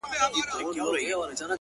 o راكيټونو دي پر ما باندي را اوري؛